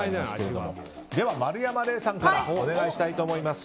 では、丸山礼さんからお願いします。